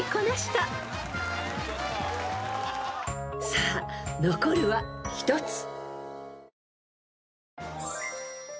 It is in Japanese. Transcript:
［さあ残るは１つ］